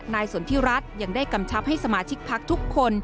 สนทิรัฐยังได้กำชับให้สมาชิกพักทุกคน